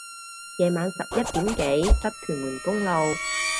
夜晚十一點幾塞屯門公路